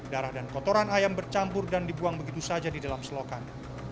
darah dan kotoran ayam bercampur dan dibuang begitu saja di dalam selokan